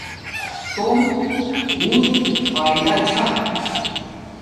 توم بوت فاݵدا چھا